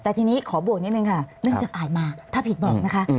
แต่ทีนี้ขอบวกนิดนึงค่ะเนื่องจากอ่านมาถ้าผิดบอกนะคะ